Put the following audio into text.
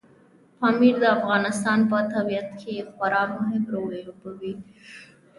پامیر د افغانستان په طبیعت کې خورا مهم رول لوبوي.